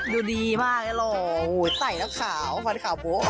ดูดีมากเนี่ยหล่อใส่แล้วขาวฟันขาวโบ๊ะ